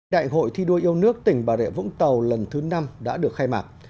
đại hội thi đua yêu nước tỉnh bà rệ vũng tàu lần thứ năm đã được khai mạc